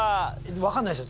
わかんないですよ。